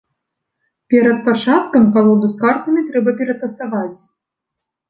Перад пачаткам калоду з картамі трэба ператасаваць.